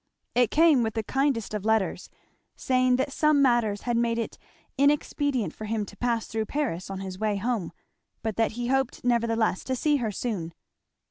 It came with the kindest of letters, saying that some matters had made it inexpedient for him to pass through Paris on his way home, but that he hoped nevertheless to see her soon.